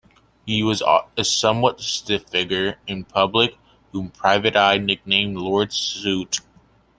He was a somewhat stiff figure in public whom Private Eye nicknamed 'Lord Suit'.